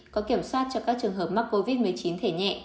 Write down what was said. có kiểm soát cho các trường hợp mắc covid một mươi chín thể nhẹ